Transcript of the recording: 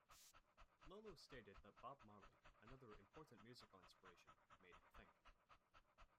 Lolo stated that Bob Marley, another important musical inspiration, made him think.